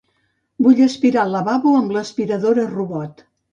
Vull aspirar el lavabo amb l'aspiradora robot.